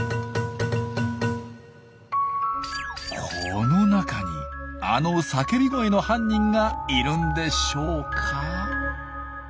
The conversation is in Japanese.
この中にあの叫び声の犯人がいるんでしょうか？